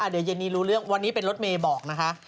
เดี๋ยวเย็นนี้รู้เรื่องวันนี้เป็นรถเมย์บอกนะคะ